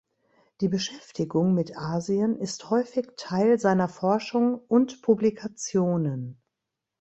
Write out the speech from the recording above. Die Beschäftigung mit Asien ist häufig Teil seiner Forschung und Publikationen.